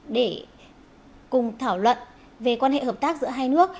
để cùng thảo luận về quan hệ hợp tác giữa hai nước